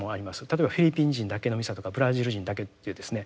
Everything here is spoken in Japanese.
例えばフィリピン人だけのミサとかブラジル人だけというですね。